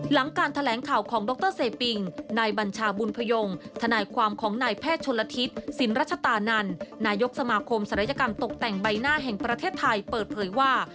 หลังการแถลงข่าวของดรเซปิงนายบัญชาบุญพยงทนายความของนายแพทย์ชนละทิศสินรัชตานันนายกสมาคมศัลยกรรมตกแต่งใบหน้าแห่งประเทศไทยเปิดเผยว่า